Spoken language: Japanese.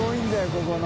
ここの。